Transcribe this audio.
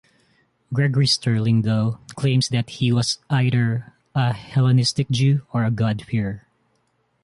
Gregory Sterling though, claims that he was either a Hellenistic Jew or a god-fearer.